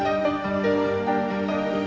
tidak ada kes itself